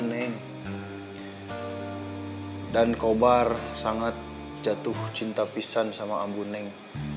neng dan kobar sangat jatuh cinta pisan sama ambu neng